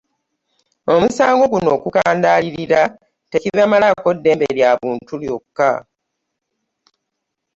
Omusango guno okukandaalirira tekibamalaako ddembe lya buntu lyokka.